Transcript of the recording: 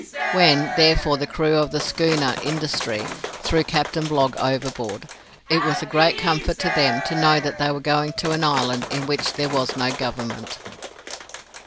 When, therefore the crew of the schooner 'Industry' threw Captain Blogg overboard, it was a great comfort to them to know that they were going to an island in which there was no Government.